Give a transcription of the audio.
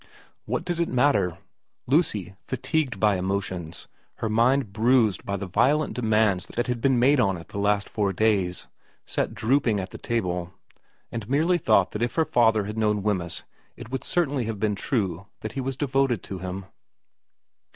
What did it matter ? Lucy, fatigued by emotions, her mind bruised by the violent demands that had been made on it the last four days, sat drooping at the table, and merely thought that if her father had known Wemyss it would certainly have been true that iv VERA 37 he was devoted to him.